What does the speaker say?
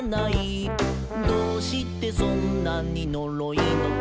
「どうしてそんなにノロいのか」